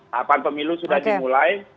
hapan pemilu sudah dimulai